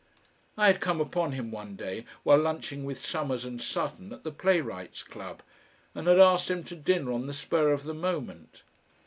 I had come upon him one day while lunching with Somers and Sutton at the Playwrights' Club, and had asked him to dinner on the spur of the moment.